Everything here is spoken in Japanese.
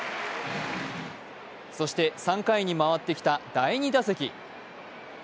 そして３回に回ってきた第２打席。